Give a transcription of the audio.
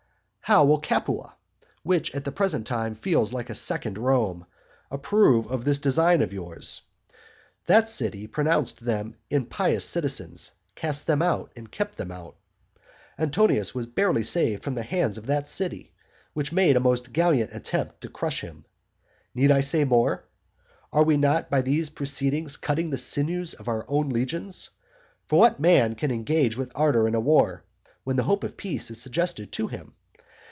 How will Capua, which at the present time feels like a second Rome, approve of this design of yours? That city pronounced them impious citizens, cast them out, and kept them out. Antonius was barely saved from the hands of that city, which made a most gallant attempt to crush him. Need I say more? Are we not by these proceedings cutting the sinews of our own legions, for what man can engage with ardour in a war, when the hope of peace is suggested to him?